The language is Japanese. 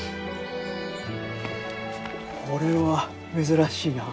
これは珍しいな。